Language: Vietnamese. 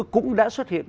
cũng đã xuất hiện